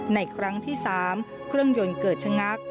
ในครั้งที่๓เครื่องยนต์เกิดชะงัก